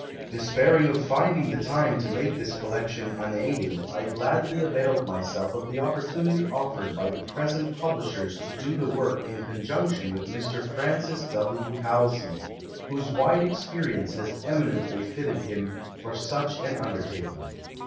Despairing of finding the time to make this collection unaided, I gladly availed myself of the opportunity offered by the present publish ers to do the work in conjunction with IMr. Francis W. Ilalsey, whose wide experience has eminently fitted him for such an undertaking.